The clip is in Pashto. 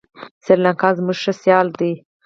سریلانکا هم زموږ ښه سیال دی.